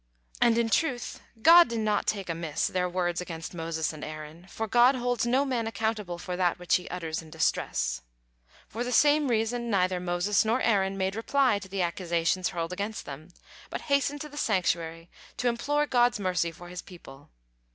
And, in truth, God did not take amiss their words against Moses and Aaron, "for God holds no man accountable for that which he utters in distress." For the same reason neither Moses nor Aaron made reply to the accusations hurled against them, but hastened to the sanctuary to implore God's mercy for His people.